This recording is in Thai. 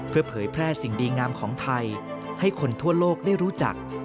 เพื่อเผยแพร่สิ่งดีงามของไทยให้คนทั่วโลกได้รู้จัก